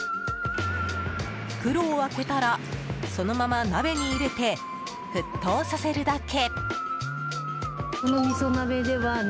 袋を開けたらそのまま鍋に入れて沸騰させるだけ。